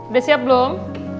udah siap belum